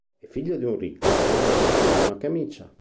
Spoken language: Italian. È figlio di un ricco ma non ha neppure una camicia.